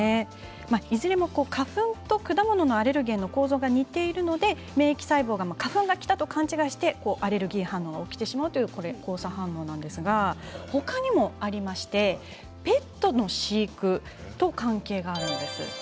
いずれも花粉と果物のアレルギーの構造が似ているので免疫構造が花粉がきたと思ってアレルギー反応を起こしてしまうという交差反応なんですけれどほかにもありましてペットの飼育と関係があるんです。